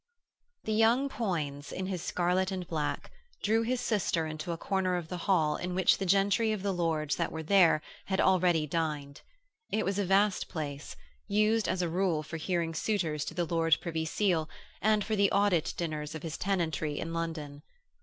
III The young Poins, in his scarlet and black, drew his sister into a corner of the hall in which the gentry of the Lords that were there had already dined. It was a vast place, used as a rule for hearing suitors to the Lord Privy Seal and for the audit dinners of his tenantry in London.